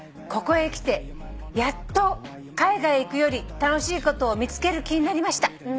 「ここへきてやっと海外へ行くより楽しいことを見つける気になりました」